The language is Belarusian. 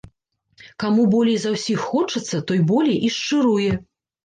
Каму болей за ўсіх хочацца, той болей і шчыруе.